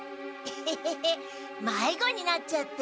ヘヘヘヘまいごになっちゃって。